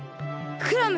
クラム！